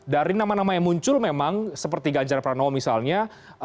dari nama nama yang muncul memang seperti ganjar pranowo misalnya